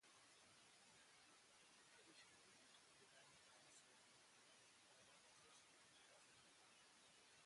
Traditionally, it began in the last century when Angono was a Spanish hacienda.